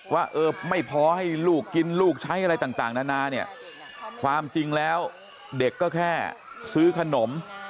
ว่าเออไม่พอให้ลูกกินลูกใช้อะไรต่างนานาเนี่ยความจริงแล้วเด็กก็แค่ซื้อขนม